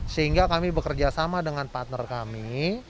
sehingga kami bekerja sama dengan partner kami